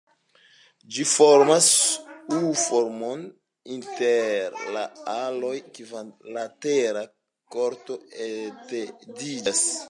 Ĝi formas U-formon, inter la aloj kvinlatera korto etendiĝas.